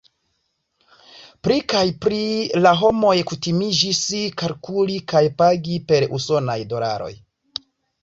Pli kaj pli la homoj kutimiĝis kalkuli kaj pagi per usonaj dolaroj.